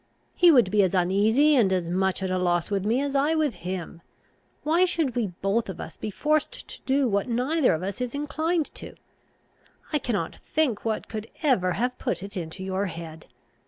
He would be as uneasy and as much at a loss with me, as I with him. Why should we both of us be forced to do what neither of us is inclined to? I cannot think what could ever have put it into your head.